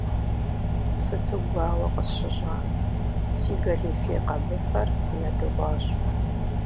Сыту гуауэ къысщыщӏа, си гэлифе къэбыфэр ядыгъуащ.